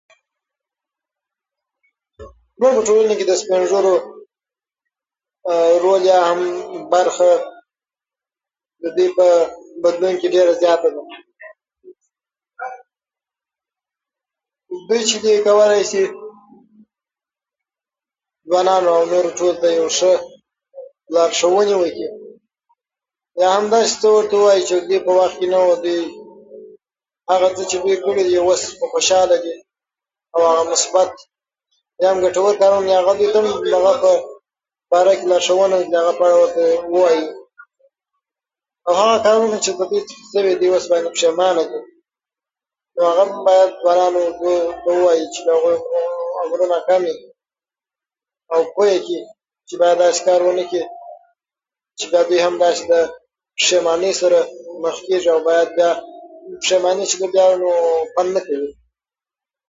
زموږ په ټولنه کې د سپینږو رول یا هم برخه ددې په بدلون کې ډیره زیاته ده دوی چې دي کولای شي ځوانانو او نورو ټولو ته یو شه لارښوونې وکړي یا هم داسي څه ورته ووايې چې د دوی په وخت کې نه وو هغه څه چې دوی کړی اوس پري خوشحاله دي مثبت یا هم ګټور تمام شوي دي د هغه باره کې ورته لارښوونه وکړي او هغه کارونه چې په دوی تیر شوي او دوی پري پښيمانه دي نو هغه هم باید ځوانانو ته ووايي چې د هغوی عمرونه کم وی او پوه يې کړي چې باید داسي کار و نه کړي چې بیا دوی هم د پښیمانۍ سره مخ کيږي